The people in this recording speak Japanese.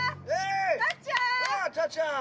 たっちゃーん！